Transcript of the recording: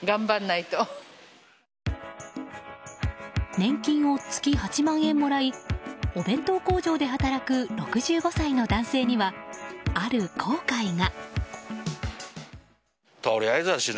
年金を月８万円もらいお弁当工場で働く６５歳の男性には、ある後悔が。